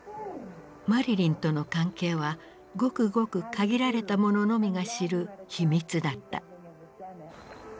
マリリンとの関係はごくごく限られた者のみが知る秘密だった。